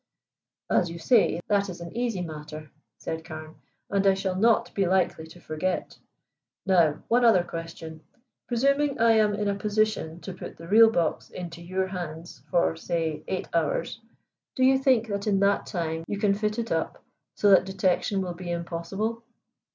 "As you say, that is an easy matter," said Carne, "and I shall not be likely to forget. Now one other question. Presuming I am in a position to put the real box into your hands for say eight hours, do you think that in that time you can fit it up so that detection will be impossible?"